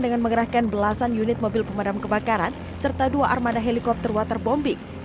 dengan mengerahkan belasan unit mobil pemadam kebakaran serta dua armada helikopter waterbombing